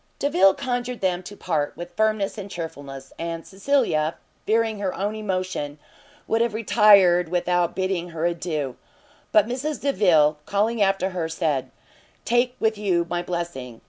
Delvile conjured them to part with firmness and chearfulness, and Cecilia, fearing her own emotion, would have retired without bidding her adieu. But Mrs Delvile, calling after her, said, "Take with you my blessing!"